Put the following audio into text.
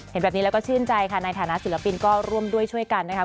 เห็นแบบนี้แล้วก็ชื่นใจค่ะในฐานะศิลปินก็ร่วมด้วยช่วยกันนะคะ